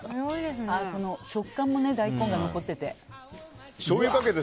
食感も大根が残ってて。